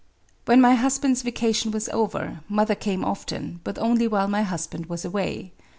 ••. When my husband's vacation was over, mother came often, but only while my husband was away.